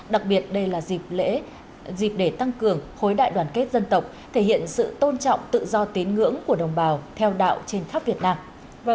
đặc biệt đây là dịp để tăng cường khối đại đoàn kết dân tộc thể hiện sự tôn trọng tự do tín ngưỡng của đồng bào theo đạo trên khắp việt nam